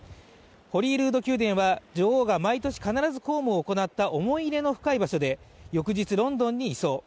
ホリールード宮殿は女王が毎年必ず公務を行った思い入れの深い場所で翌日、ロンドンに移送。